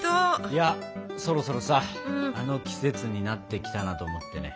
いやそろそろさあの季節になってきたなと思ってね。